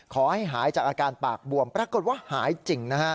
ขอให้หายจากอาการปากบวมปรากฏว่าหายจริงนะฮะ